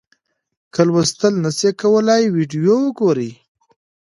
که لوستل نسئ کولای ویډیو وګورئ.